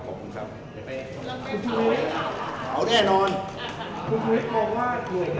มันเป็นสิ่งที่เราไม่รู้สึกว่า